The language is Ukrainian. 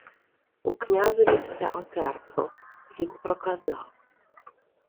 У князеві все отерпло. Він проказав: